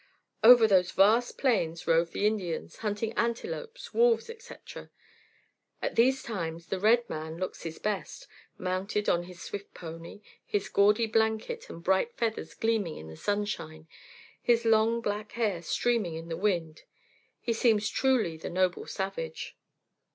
Over those vast plains roved the Indians, hunting antelopes, wolves, etc. At these times the "red man" looks his best; mounted on his swift pony, his gaudy blanket and bright feathers gleaming in the sunshine, his long black hair streaming in the wind, he seems truly the "noble savage."